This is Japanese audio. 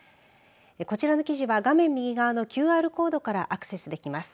こちらの記事は画面右側のＱＲコードからアクセスできます。